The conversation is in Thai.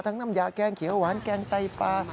น้ำยาแกงเขียวหวานแกงไตปลา